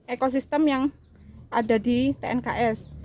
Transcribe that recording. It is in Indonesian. ekosistem yang ada di tnks